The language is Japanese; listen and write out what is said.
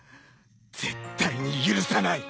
絶対に許さない！